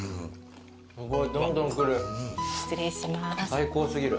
最高過ぎる。